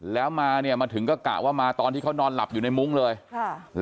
แล้วมาเนี่ยมาถึงก็กะว่ามาตอนที่เขานอนหลับอยู่ในมุ้งเลยค่ะ